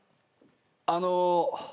あの。